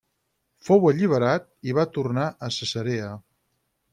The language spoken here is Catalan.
Fou alliberat i va tornar a Cesarea.